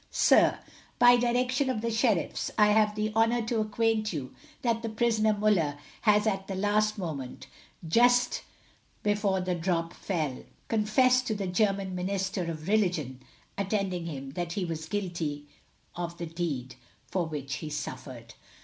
"Sir, By direction of the sheriffs I have the honour to acquaint you that the prisoner Muller has at the last moment, just before the drop fell, confessed to the German minister of religion attending him that he was guilty of the deed for which he suffered.